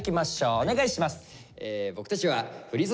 お願いします。